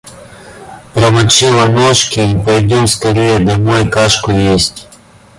Промочила ножки и пойдем скорее домой кашку есть.